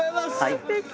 すてき。